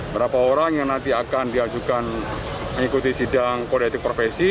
berapa orang yang nanti akan diajukan mengikuti sidang kode etik profesi